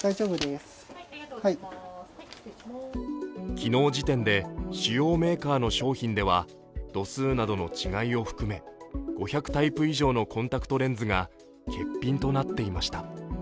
昨日時点で、主要メーカーの商品では度数などの違いを含め５００タイプ以上のコンタクトレンズが欠品となっていました。